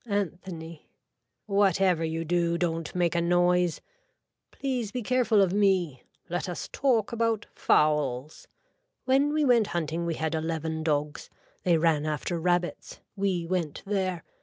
(Anthony.) Whatever you do don't make a noise. Please be careful of me. Let us talk about fowls. When we went hunting we had eleven dogs. They ran after rabbits. We went there.